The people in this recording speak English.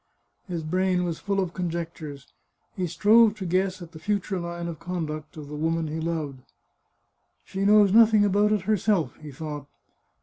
His brain was full of conjectures. He strove to guess at the future line of conduct of the woman he loved. " She knows nothing about it herself," he thought.